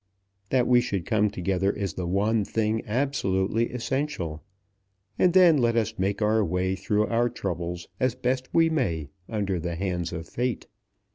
That we should come together is the one thing absolutely essential; and then let us make our way through our troubles as best we may under the hands of Fate.